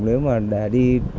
nếu mà để đi